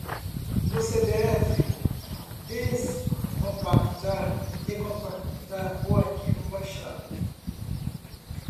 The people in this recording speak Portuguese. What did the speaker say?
Você deve descompactar e compactar o arquivo baixado